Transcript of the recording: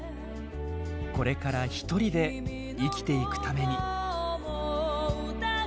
これから独りで生きていくために。